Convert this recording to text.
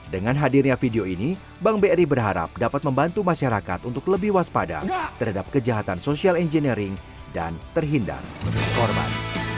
dengan hadirnya video ini bank bri berharap dapat membantu masyarakat untuk lebih waspada terhadap kejahatan social engineering dan terhindar korban